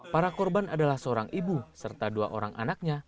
para korban adalah seorang ibu serta dua orang anaknya